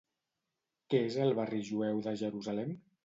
Què és el Barri Jueu de Jerusalem?